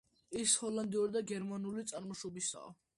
ის ჰოლანდიური და გერმანული წარმოშობისაა.